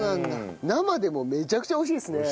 生でもめちゃくちゃ美味しいですね